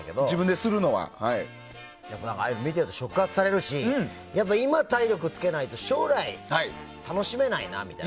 でも、ああいうの見てると触発されるしやっぱり今、体力つけないと将来、楽しめないなみたいな。